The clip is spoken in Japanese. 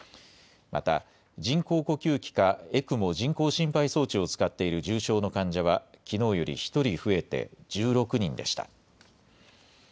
また、人工呼吸器か、ＥＣＭＯ・人工心肺装置を使っている重症の患者は、きのうより１人増えて１６人でした。